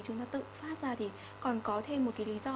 chúng ta tự phát ra thì còn có thêm một cái lý do